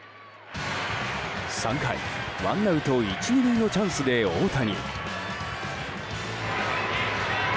３回、ワンアウト１、２塁のチャンスで大谷。